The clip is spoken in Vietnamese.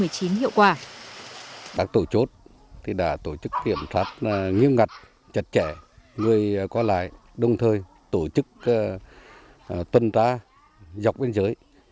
các tổ chốt đã tổ chức kiểm soát nghiêm ngặt chặt chẽ người qua lại đồng thời tổ chức tuần tra dọc biên giới